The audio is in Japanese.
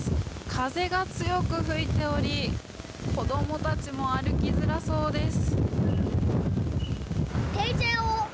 風が強く吹いており子どもたちも歩きづらそうです。